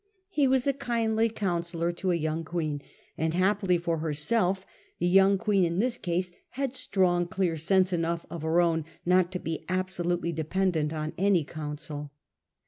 He was a kindly counsellor to a young Queen ; and happily for herself the young Queen in this case had strong clear sense enough of her own not to be absolutely dependent on any counsel.